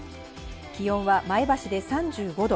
気温は前橋で３５度、